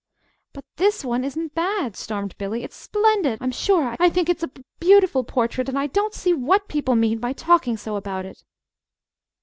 "But this one isn't bad," stormed Billy. "It's splendid! I'm sure, I think it's a b beautiful portrait, and I don't see what people mean by talking so about it!"